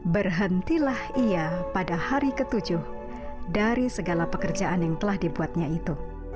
berhentilah ia pada hari ke tujuh dari segala pekerjaan yang telah dibuatnya itu